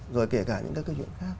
rồi kể cả những cái chuyện khác